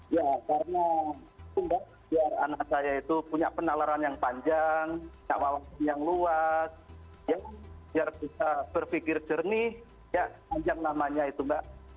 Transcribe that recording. ya karena untuk anak saya itu punya penalaran yang panjang jawabannya yang luas biar bisa berpikir jernih ya panjang namanya itu mbak